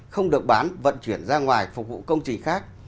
không được bán vận chuyển ra ngoài phục vụ công trình khác